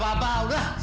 gak ada apa apa udah